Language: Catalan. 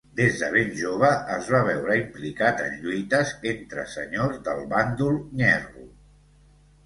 Des de ben jove, es va veure implicat en lluites entre senyors del bàndol nyerro.